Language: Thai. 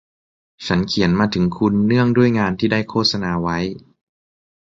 ฉันเขียนมาถึงคุณเนื่องด้วยงานที่ได้โฆษณาไว้